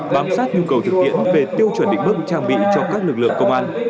bám sát nhu cầu thực tiễn về tiêu chuẩn định mức trang bị cho các lực lượng công an